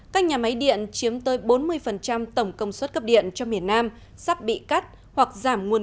các nhà máy điện chiếm tới bốn mươi tổng công suất cấp điện cho miền nam sắp bị cắt hoặc giảm nguồn